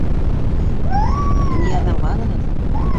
Мине ярҙамға алығыҙ